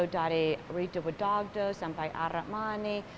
dari rita wadogdo sampai armani